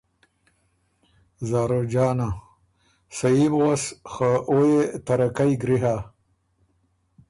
زاروجانه: سهي بو غؤس خه او يې ترکئ ګری هۀ،